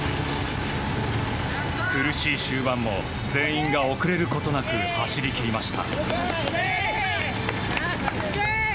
苦しい終盤も全員が遅れることなく走り切りました。